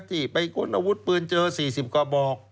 ที่ไปค้นอาวุธปืนเจอ๔๐กระบอก